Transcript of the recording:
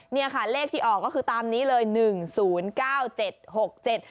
เนี่ยค่ะเลขที่ออกก็คือตามนี้เลยหนึ่งศูนย์เก้าเจ็ดหกเจ็ด